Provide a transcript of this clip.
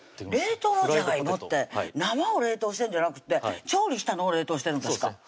冷凍のジャガイモって生を冷凍してるんじゃなくて調理したのを冷凍してるんですか？